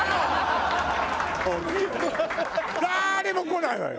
誰も来ないわよ